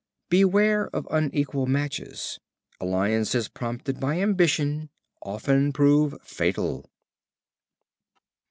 Beware of unequal matches. Alliances prompted by ambition often prove fatal.